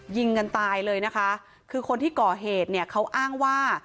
ยิงกันตายเลยนะคะคือคนที่ก่อเหตุเนี่ยเขาอ้างว่า